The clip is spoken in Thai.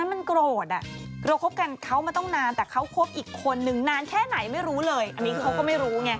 อุ๊ยเขาก็เลิกกันก็มี